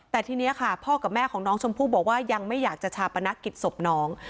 แต่ทีนี้ค่ะพ่อกับแม่ของน้องชมพู่บอกว่ายังไม่อยากจะชาปนักกิจศพน้อง